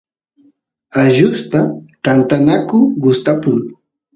allusta tantanaku gustapukun